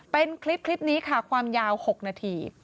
เป็นคลิปนี้ค่ะความยาว๖นาที